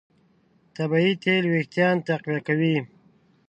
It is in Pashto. طبیعي تېل وېښتيان تقویه کوي.